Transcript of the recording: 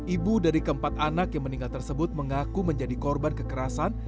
ibu dari keempat anak yang meninggal tersebut mengaku menjadi korban kekerasan